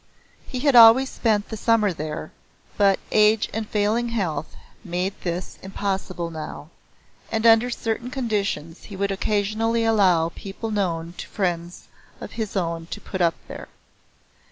He had always spent the summer there, but age and failing health made this impossible now, and under certain conditions he would occasionally allow people known to friends of his own to put up there.